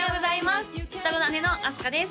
双子の姉のあすかです